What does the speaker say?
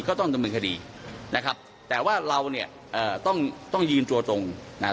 ก็ต้องดำเนินคดีนะครับแต่ว่าเราเนี่ยเอ่อต้องต้องยืนตัวตรงนะครับ